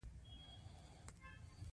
د لومړي ګروپ د عنصرونو ولانس یو دی.